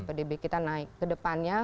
pdb kita naik ke depannya